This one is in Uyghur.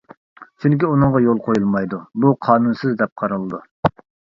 چۈنكى ئۇنىڭغا يول قويۇلمايدۇ، بۇ قانۇنسىز دەپ قارىلىدۇ.